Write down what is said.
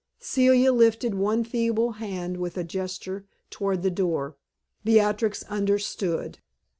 Celia lifted one feeble hand with a gesture toward the door. Beatrix understood.